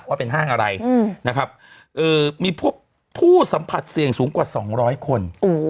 ว่าเป็นห้างอะไรนะครับมีพบผู้สัมผัสเสี่ยงสูงกว่า๒๐๐คน